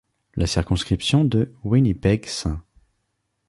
La circonscription de Winnipeg—St.